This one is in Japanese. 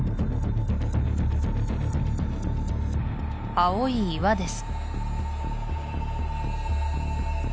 青い岩です